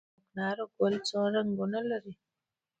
کوکنارو ګل څومره رنګونه لري؟